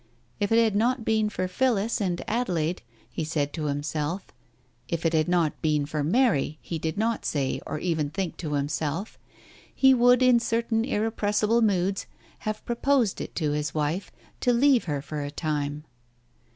If it had not been for Phillis and Adelaide, he said to himself : if it had not been for Mary, he did not say or even think to himself — he would, in certain irrepressible moods, have proposed it to his wife, to leave her for a time.